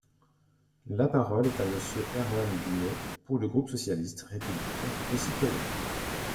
La parole est à Monsieur Erwann Binet, pour le groupe socialiste, républicain et citoyen.